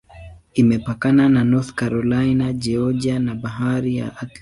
Imepakana na North Carolina, Georgia na Bahari ya Atlantiki.